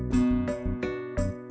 aduh enak banget